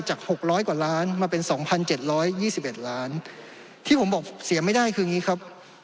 ๖๐๐กว่าล้านมาเป็น๒๗๒๑ล้านที่ผมบอกเสียไม่ได้คืออย่างนี้ครับ